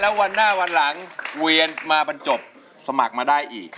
แล้ววันหน้าวันหลังเวียนมาบรรจบสมัครมาได้อีก